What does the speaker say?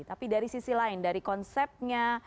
tapi dari sisi lain dari konsepnya